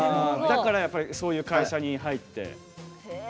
だからそういう会社に入って。